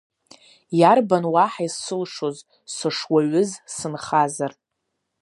Иарбан уаҳа исылшоз, сышуаҩыз сынхазар!